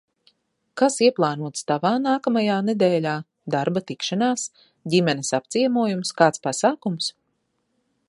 Kas ieplānots tavā nākamajā nedēļā – darba tikšanās, ģimenes apciemojums, kāds pasākums?